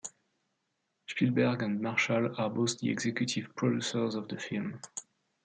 Spielberg and Marshall are both the executive producers of the film.